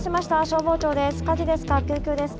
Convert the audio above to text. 消防庁です。